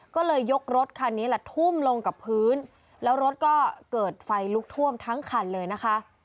ก็เลยยกรถคันนี้แหละทุ่มลงกับพื้นแล้วรถก็เกิดไฟลุกท่วมทั้งคันเลยนะคะ